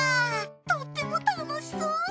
とっても楽しそう！